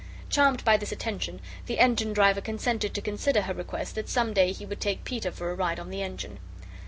Charmed by this attention, the engine driver consented to consider her request that some day he would take Peter for a ride on the engine.